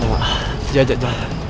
jangan jangan jangan